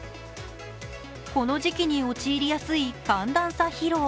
この時期に陥りやすい寒暖差疲労。